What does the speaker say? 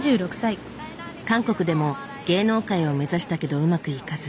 韓国でも芸能界を目指したけどうまくいかず。